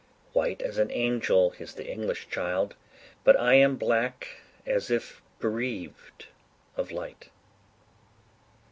White as an angel is the English child, But I am black, as if bereaved of light.